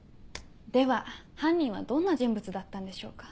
では犯人はどんな人物だったんでしょうか？